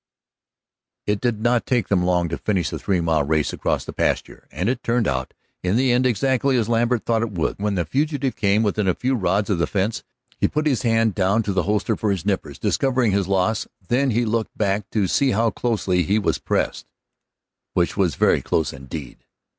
It did not take them long to finish the three mile race across the pasture, and it turned out in the end exactly as Lambert thought it would. When the fugitive came within a few rods of the fence he put his hand down to the holster for his nippers, discovering his loss. Then he looked back to see how closely he was pressed, which was very close indeed.